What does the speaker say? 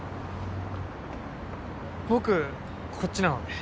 僕こっちなので。